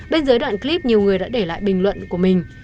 bên dưới đoạn clip nhiều người đã để lại bình luận của mình